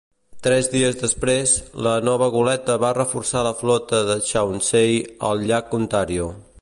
Tres dies després, la nova goleta va reforçar la flota de Chauncey al llac Ontario.